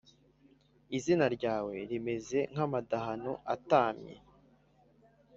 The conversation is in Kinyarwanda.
Izina ryawe rimeze nk’amadahano atāmye